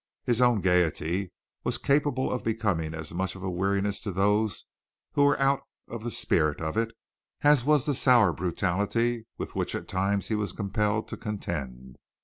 His own gaiety was capable of becoming as much of a weariness to those who were out of the spirit of it, as was the sour brutality with which at times he was compelled to contend.